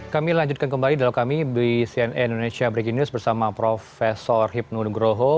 kami lanjutkan kembali dialog kami di cnn indonesia breaking news bersama prof hipnu nugroho